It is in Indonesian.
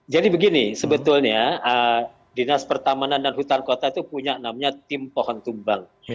jadi begini sebetulnya dinas pertamanan dan hutan kota itu punya namanya tim pohon tumbang